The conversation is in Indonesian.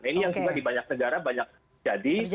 ini yang juga di banyak negara banyak jadi